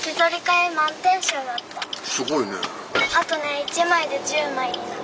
あとね１枚で１０枚になる。